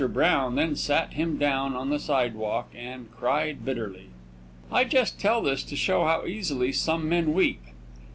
Brown then sat him down on the sidewalk and cried bitterly. I just tell this to show how easily some men weep.